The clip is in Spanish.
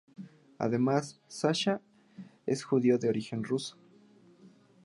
Además Sasha es judío de origen ruso.